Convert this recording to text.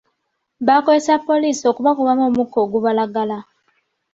Bakozesa poliisi okubakubamu omukka ogubalagala.